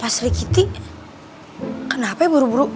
pasri kitty kenapa buru buru